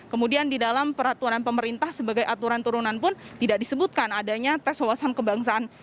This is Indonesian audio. kemudian di dalam peraturan pemerintah sebagai aturan turunan pun tidak disebutkan adanya tes wawasan kebangsaan